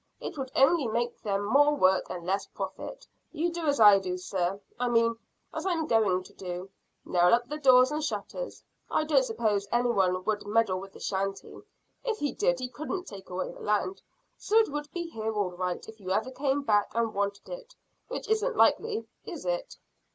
It would only make them more work and less profit. You do as I do, sir I mean, as I'm going to do: nail up the doors and shutters. I don't suppose any one would meddle with the shanty. If he did he couldn't take away the land, so it would be here all right if you ever came back and wanted it, which isn't likely, is it?"